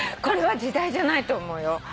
これは時代じゃないと思うよ